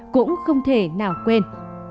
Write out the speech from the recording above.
cũng không thể nào quên